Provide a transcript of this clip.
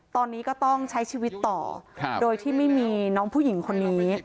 ตอนนี้ก็ต้องใช้ชีวิตต่อโดยที่ไม่มีน้องผู้หญิงคนนี้